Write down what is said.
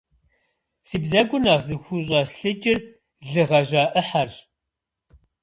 Си бзэгур нэхъ зыхущӀэслъыкӀыр лы гъэжьа Ӏыхьэрщ.